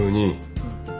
うん。